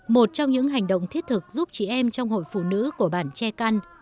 một trong những hành động thiết thực giúp chị em trong hội phụ nữ của bản che căn